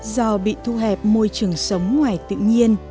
do bị thu hẹp môi trường sống ngoài tự nhiên